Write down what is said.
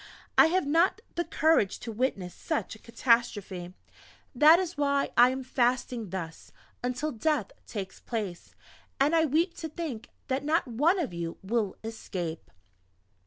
I have not the courage to witness such a catastrophe. That is why I am fasting thus, until death takes place; and I weep to think that not one of you will escape!"